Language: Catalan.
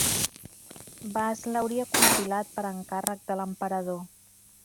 Bas l'hauria compilat per encàrrec de l'emperador.